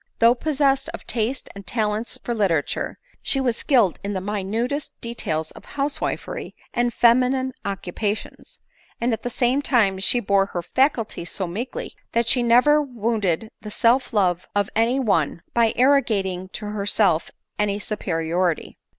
Though possessed of taste and talents for literature, she was skilled in the minutest details of housewifery and feminine occupations ; and at the same time she bore her faculties so meekly, that she never wounded the self love of any one, by arrogating to herself any superiority.